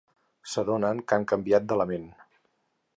S'adonen que han canviat d'element.